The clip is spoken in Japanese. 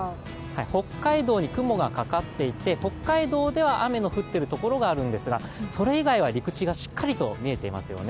北海道に雲がかかっていますが北海道では雨が降っているところがあるんですがそれ以外は陸地がしっかりと見えてますよね。